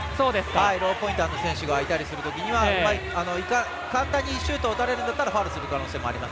ローポインターの選手がいたりするときには簡単に打たれるんだったらファウルをする可能性があります。